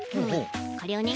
これをね